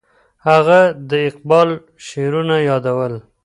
هغه د اقبال شعرونه یادول.